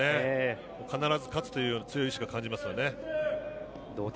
必ず勝つという強い意志を感じますね。